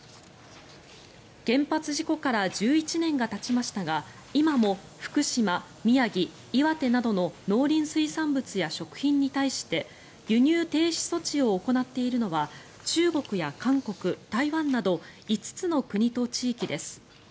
原発事故から１１年がたちましたが今も福島、宮城、岩手などの農林水産物や食品に対して輸入停止措置を行っているのは中国や韓国、台湾など５つの国と地域です。